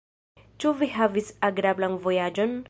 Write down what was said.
Ĉu vi havis agrablan vojaĝon?